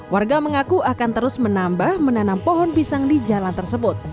warga mengaku akan terus menambah menanam pohon pisang di jalan tersebut